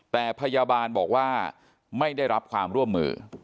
แต่พยาบาลบอกว่าไม่ได้รับความร่วมมือ